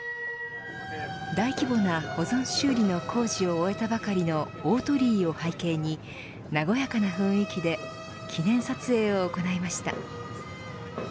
大規模な保存修理の工事を終えたばかりの大鳥居を背景に和やかな雰囲気で記念撮影を行いました。